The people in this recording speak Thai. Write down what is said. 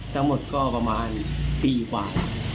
ทั้งหมดก็ประมาณปีกว่า